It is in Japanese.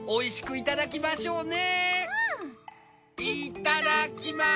いただきます！